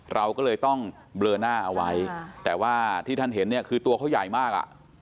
เราก็เลยต้องเบลอหน้าเอาไว้แต่ว่าที่ท่านเห็นเนี่ยคือตัวเขาใหญ่มากอ่ะ